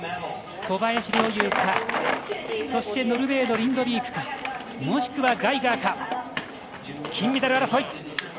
小林陵侑かそしてノルウェーのリンドビークかもしくはガイガーか金メダル争い。